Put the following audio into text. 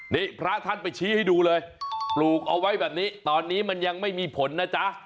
นี่พระท่านไปชี้ให้ดูเลยปลูกเอาไว้แบบนี้ตอนนี้มันยังไม่มีผลนะจ๊ะ